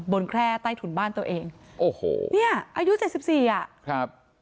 แคร่ใต้ถุนบ้านตัวเองโอ้โหเนี่ยอายุเจ็ดสิบสี่อ่ะครับ